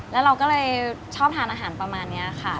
แล้วเราก็เลยชอบทานอาหารประมาณนี้ค่ะ